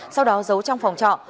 sau đó giấu trong phòng trọ